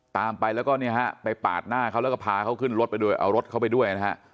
ตามไปแล้วก็เนี่ยฮะไปปาดหน้าเขาแล้วก็พาเขาขึ้นรถไปด้วยเอารถเข้าไปด้วยนะฮะ